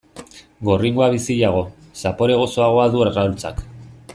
Gorringoa biziago, zapore gozoagoa du arrautzak.